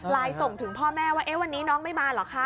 ส่งถึงพ่อแม่ว่าวันนี้น้องไม่มาเหรอคะ